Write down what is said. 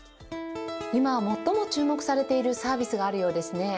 今最も注目されているサービスがあるようですね。